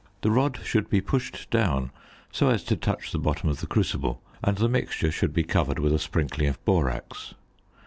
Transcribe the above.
The rod should be pushed down so as to touch the bottom of the crucible, and the mixture should be covered with a sprinkling of borax.